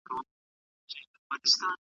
تاسي د کومې علمي مجلې لپاره مقاله ليکئ؟